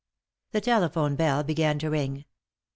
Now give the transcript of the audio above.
The telephone bell began to ring.